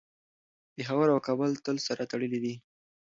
پېښور او کابل تل سره تړلي دي.